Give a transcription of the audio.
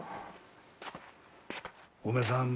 おめさん